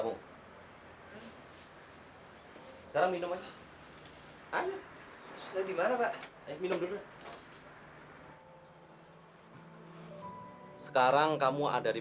udah makan aja